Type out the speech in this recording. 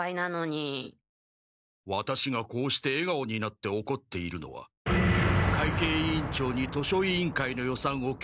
ワタシがこうしてえがおになっておこっているのは会計委員長に図書委員会の予算をけずられたからだ。